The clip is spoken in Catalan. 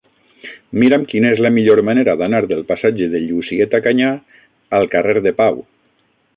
Mira'm quina és la millor manera d'anar del passatge de Llucieta Canyà al carrer de Pau.